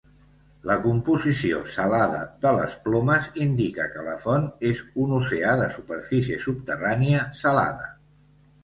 La composició "salada" de les plomes indica que la font és un oceà de superfície subterrània salada.